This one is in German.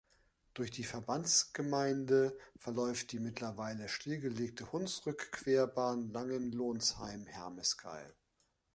Durch die Verbandsgemeinde verläuft die mittlerweile stillgelegte Hunsrückquerbahn Langenlonsheim–Hermeskeil.